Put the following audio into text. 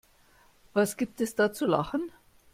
Was gibt es da zu lachen?